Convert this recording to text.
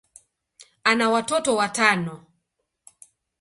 ana watoto watano.